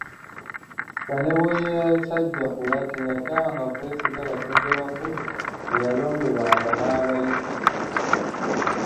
Chwa ne bwe yasajjakula teyatanga kwesiga basajja bakulu be yalondobanga n'abayita.